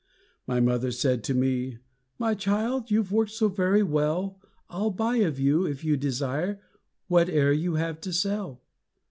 My mother said to me, "My child, You've worked so very well I'll buy of you, if you desire, Whate'er you have to sell."